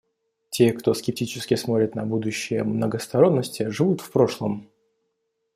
Те, кто скептически смотрит на будущее многосторонности, живут в прошлом.